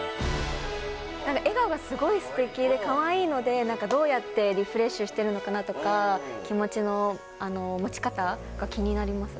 笑顔がすごいすてきでかわいいので、なんかどうやってリフレッシュしてるのかなとか、気持ちの持ち方が気になります。